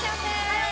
はい！